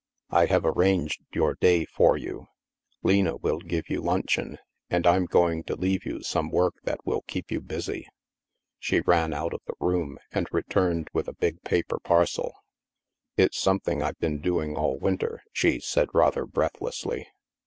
" I have arranged your day for you. Lena will give you luncheon, and Fm going to leave you some work that will keep you busy." She ran out of the room and returned with a big paper parcel. " It's something I've been doing all winter," she said rather breathlessly.